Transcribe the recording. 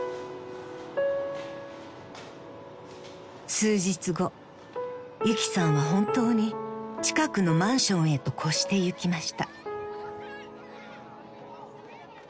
［数日後ゆきさんは本当に近くのマンションへと越してゆきました］